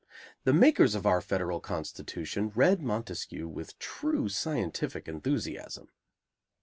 The makers of our Federal Constitution read Montesquieu with true scientific enthusiasm.